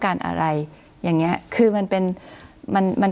คุณปริณาค่ะหลังจากนี้จะเกิดอะไรขึ้นอีกได้บ้าง